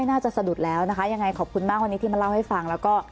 อ่าลืมอำเภอ